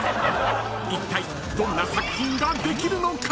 ［いったいどんな作品ができるのか？］